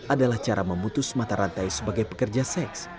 adalah cara memutus mata rantai sebagai pekerja seks